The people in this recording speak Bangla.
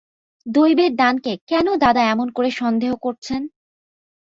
দৈবের দানকে কেন দাদা এমন করে সন্দেহ করছেন?